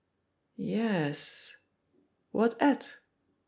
Y e s. What at?